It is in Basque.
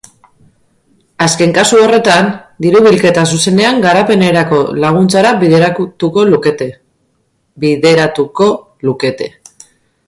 Azken kasu horretan, diru-bilketa zuzenean garapenerako laguntzara bideratuko lukete.